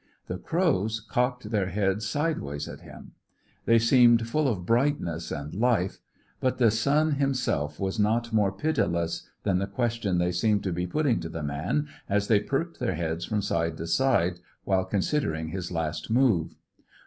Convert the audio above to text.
The crows cocked their heads sideways at him. They seemed full of brightness and life. But the sun himself was not more pitiless than the question they seemed to be putting to the man, as they perked their heads from side to side while considering his last move.